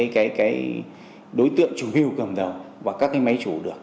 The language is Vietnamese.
cái đối tượng chủ hưu cầm đầu và các cái máy chủ được